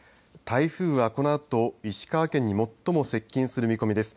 台風はこのあと石川県に最も接近する見込みです。